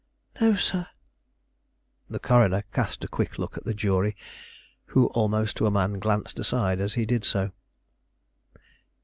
"No, sir." The coroner cast a quick look at the jury, who almost to a man glanced aside as he did so.